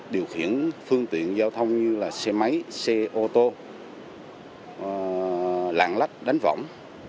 điều khiển phương tiện giao thông như là xe máy xe ô tô lạng lách đánh võng